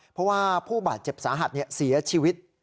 เพราะว่าผู้บาดเจ็บสาหัสเสียชีวิต